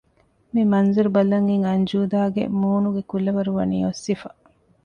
މި މަންޒަރު ބަލަން އިން އަންޖޫދާގެ މޫނުގެ ކުލަވަރު ވަނީ އޮއްސިފަ